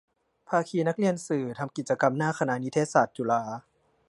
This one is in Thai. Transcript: ภาคีนักเรียนสื่อ ทำกิจกรรมหน้าคณะนิเทศศาสตร์ จุฬา